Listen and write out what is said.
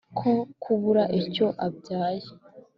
ko kubura icyo abyaye